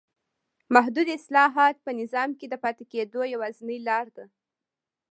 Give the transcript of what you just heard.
محدود اصلاحات په نظام کې د پاتې کېدو یوازینۍ لار ده.